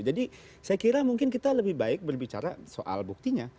jadi saya kira mungkin kita lebih baik berbicara soal buktinya